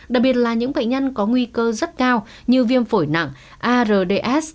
đặc biệt là những bệnh nhân có nguy cơ rất cao như viêm phổi nặng ards